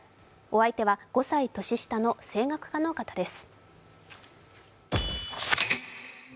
お相手は５歳年下の声楽家の方です